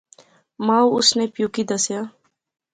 مائو اس نے پیو کی دسیا